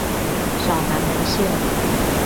小南門線